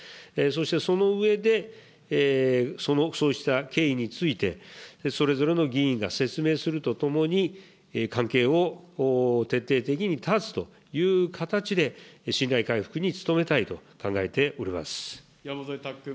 そしてその上で、そうした経緯について、それぞれの議員が説明するとともに、関係を徹底的に断つという形で、信頼回復に努めたいと考えており山添拓君。